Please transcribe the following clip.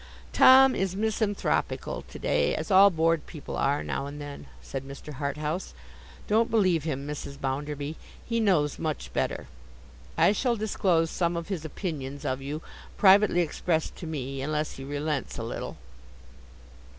'Tom is misanthropical to day, as all bored people are now and then,' said Mr. Harthouse. 'Don't believe him, Mrs. Bounderby. He knows much better. I shall disclose some of his opinions of you, privately expressed to me, unless he relents a little.